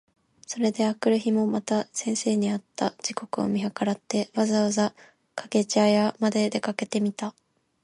それで翌日（あくるひ）もまた先生に会った時刻を見計らって、わざわざ掛茶屋（かけぢゃや）まで出かけてみた。